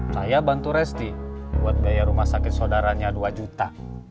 saya bantu resti buat biaya rumah sakit saudaranya dua juta